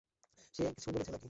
সে কিছু বলেছে নাকি?